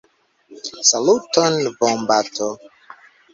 Saluton, vombato!